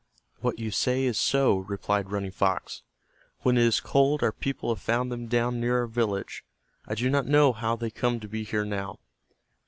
"What you say is so," replied Running Fox. "When it is cold our people have found them down near our village. I do not know how they come to be here now."